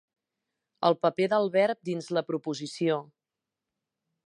El paper del verb dins la proposició.